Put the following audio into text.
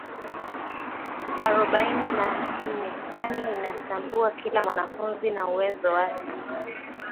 arobaini na nne kwani inatambua kila mwanafunzi na uwezo wake